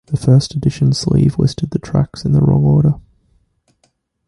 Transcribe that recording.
The first edition sleeve listed the tracks in the wrong order.